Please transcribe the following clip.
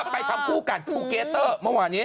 ไปทำคู่กันครูเกเตอร์เมื่อวานี้